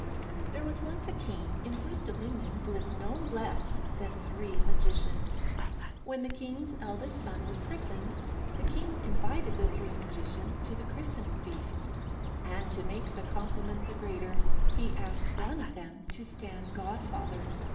There was once a king in whose dominions lived no less than three magicians. When the king's eldest son was christened, the king invited the three magicians to the christening feast, and to make the compliment the greater, he asked one of them to stand godfather.